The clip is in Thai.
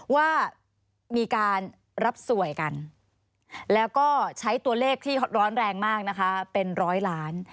ว่ามีการรับสวยกันแล้วก็ใช้ตัวเลขที่ร้อนแรงมากนะคะเป็นร้อยล้าน